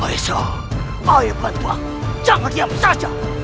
asal air benih jangan diam saja